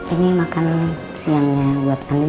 ini makan siangnya bu andin